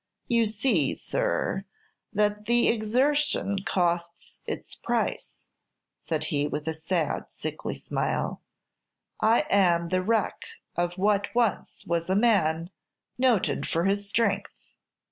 "You see, sir, that the exertion costs its price," said he, with a sad, sickly smile. "I am the wreck of what once was a man noted for his strength."